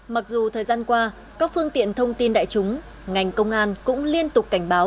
mặc dù thời gian qua các phương tiện thông tin đại chúng ngành công an cũng liên tục cảnh báo